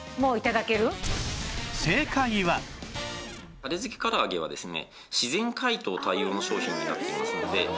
たれづけ唐揚げはですね。